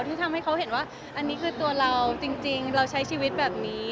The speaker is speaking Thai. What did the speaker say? ทำให้มันเห็นว่าอันนี้คือตัวรัวก็ใช้ชีวิตแบบนี้